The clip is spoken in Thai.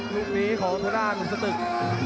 ลูกนี้ของตัวหน้าหมุนสตึก